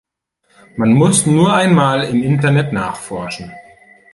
Man muss nur einmal im Internet nachforschen.